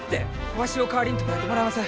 わしを代わりに捕らえてもらいます。